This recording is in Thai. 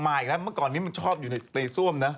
อีกแล้วเมื่อก่อนนี้มันชอบอยู่ในซ่วมนะ